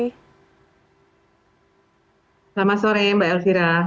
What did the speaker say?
selamat sore mbak elvira